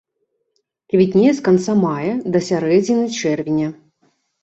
Квітнее з канца мая да сярэдзіны чэрвеня.